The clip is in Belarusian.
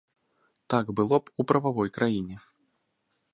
Так было б у прававой краіне.